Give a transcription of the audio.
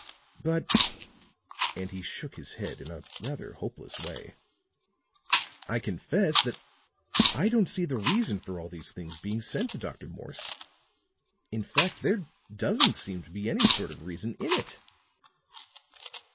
But," and he shook his head in a rather hopeless way, "I confess that I don't see the reason for all these things being sent to Dr. Morse. In fact, there doesn't seem to be any sort of reason in it."